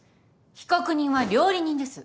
被告人は料理人です。